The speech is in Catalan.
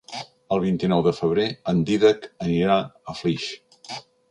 El vint-i-nou de febrer en Dídac anirà a Flix.